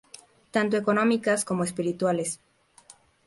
Tanto económicas como espirituales.